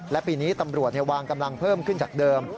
และปีนี้ตำรวจวางกำลังเพิ่มขึ้นจากเดิม